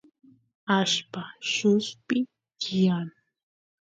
allpa lluspi tiyan